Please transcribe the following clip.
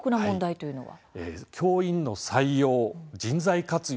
教員の採用、人材活用